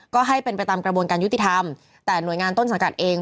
ก็ให้เป็นไปตามกระบวนการยุติธรรมแต่หน่วยงานต้นสังกัดเอง